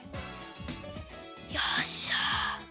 よっしゃ。